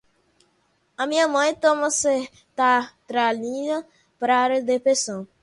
A minha mãe toma sertralina para a depressão